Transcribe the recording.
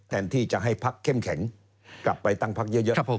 แทนที่จะให้พักเข้มแข็งกลับไปตั้งพักเยอะ